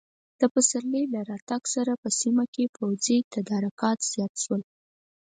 د پسرلي له راتګ سره په سیمه کې پوځي تدارکات زیات شول.